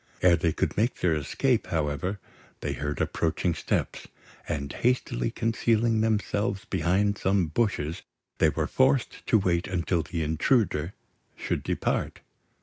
Ere they could make their escape, however, they heard approaching steps; and, hastily concealing themselves behind some bushes, they were forced to wait until the intruder should depart.